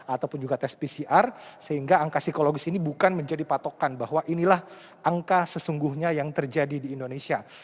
ataupun juga tes pcr sehingga angka psikologis ini bukan menjadi patokan bahwa inilah angka sesungguhnya yang terjadi di indonesia